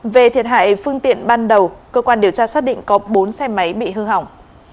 về thiệt hại phương tiện ban đầu cơ quan điều tra xác định có bốn xe máy bị hư hỏng